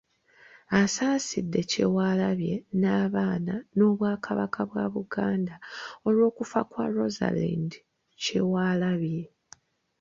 Asaasidde Kyewalabye n'abaana n'Obwakabaka bwa Buganda olwokufa kwa Rosalind Kyewalabye .